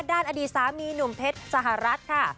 ด้านอดีตสามีหนุ่มเพชรสหรัฐค่ะ